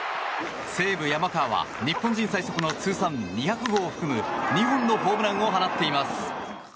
西武、山川は日本人最速の通算２００号を含む２本のホームランを放っています。